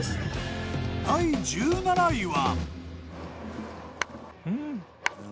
第１７位は。